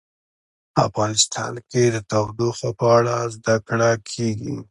افغانستان کې د تودوخه په اړه زده کړه کېږي.